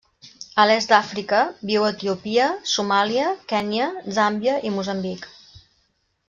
A l'est d'Àfrica, viu a Etiòpia, Somàlia, Kenya, Zàmbia i Moçambic.